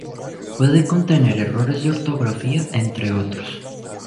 Puede contener errores de ortografía entre otros.